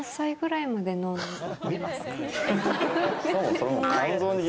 それもう。